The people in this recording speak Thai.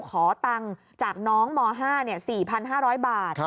ขอตังค์จากน้องม๕๔๕๐๐บาท